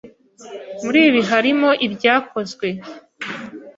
Muri ibi harimo ibyakozwe